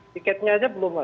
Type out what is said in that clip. tiketnya aja belum